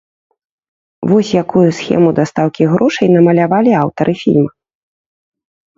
Вось якую схему дастаўкі грошай намалявалі аўтары фільма.